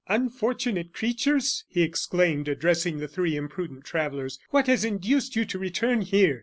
"Unfortunate creatures!" he exclaimed, addressing the three imprudent travellers, "what has induced you to return here?"